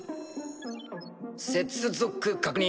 接続確認。